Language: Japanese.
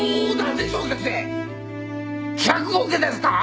１００億ですか！？